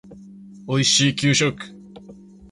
おいしい給食